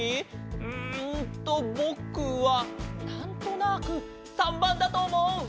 うんとぼくはなんとなく③ばんだとおもう！